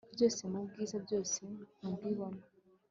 Byose mubwiza byose mubwibone